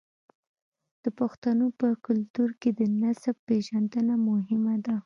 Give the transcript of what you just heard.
د پښتنو په کلتور کې د نسب پیژندنه مهمه ده.